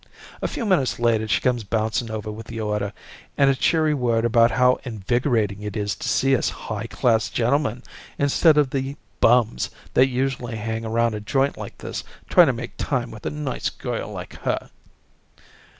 A few minutes later she comes bouncing over with the order and a cheery word about how invigorating it is to see us high class gentlemen instead of the bums that usually hang around a joint like this trying to make time with a nice girl like her.